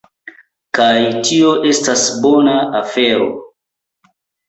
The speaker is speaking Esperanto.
Kaj tio estas bona afero